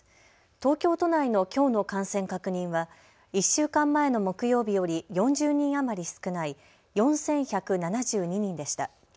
東京都内のきょうの感染確認は１週間前の木曜日より４０人余り少ない４１７２人でした。